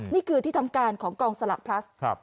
นี่คือที่ทำการของกองสลักพลัส